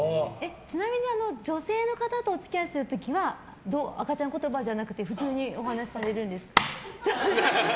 ちなみに女性の方とお付き合いする時は赤ちゃん言葉じゃなくて普通にお話しされるんですか？